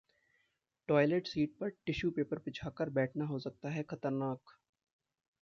toilet seat पर tissue paper बिछाकर बैठना हो सकता है खतरनाक